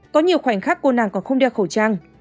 có nhiều khoảnh khắc cô nàng còn không đeo khẩu trang